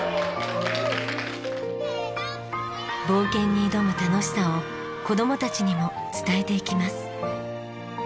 冒険に挑む楽しさを子どもたちにも伝えていきます。